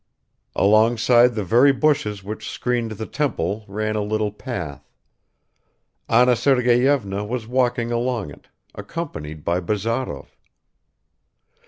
Alongside the very bushes which screened the temple ran a little path. Anna Sergeyevna was walking along it accompanied by Bazarov.